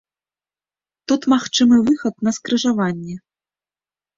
Тут магчымы выхад на скрыжаванне.